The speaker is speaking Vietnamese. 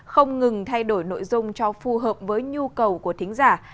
không ngừng thay đổi nội dung cho phù hợp với nhu cầu của thính giả